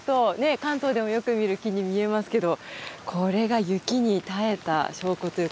関東でもよく見る木に見えますけどこれが雪に耐えた証拠ということで。